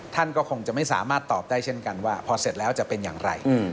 ท่านก็คงจะไม่สามารถตอบได้เช่นกันว่าพอเสร็จแล้วจะเป็นอย่างไร